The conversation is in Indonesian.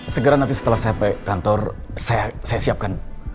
segera nanti setelah saya pergi kantor saya siapkan